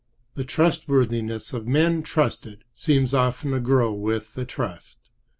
The trustworthiness of men trusted seems often to grow with the trust.